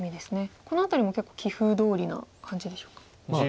このあたりも結構棋風どおりな感じでしょうか。